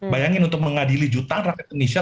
bayangin untuk mengadili jutaan rakyat indonesia